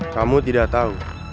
kamu tidak tau